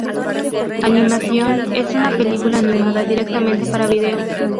Animation, es una película animada directamente para vídeo.